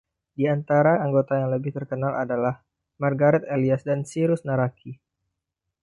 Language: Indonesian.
Di antara anggota yang lebih terkenal adalah Margaret Elias dan Sirus Naraqi.